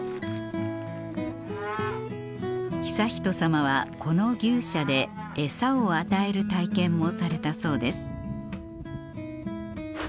悠仁さまはこの牛舎で餌を与える体験もされたそうです